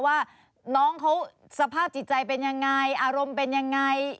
ว่าน้องเขาสภาพจิตใจเป็นยังไงอารมณ์เป็นยังไง